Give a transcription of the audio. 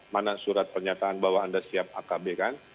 mana surat pernyataan bahwa anda siap akb kan